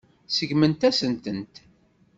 Seggment-asen-tent.